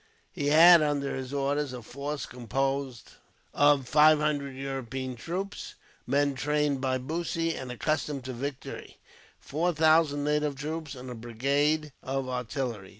He had, under his orders, a force composed of five hundred European troops, men trained by Bussy, and accustomed to victory; four thousand native troops, and a brigade of artillery.